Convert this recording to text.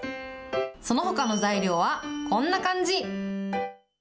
そのほかの材料はこんな感じ。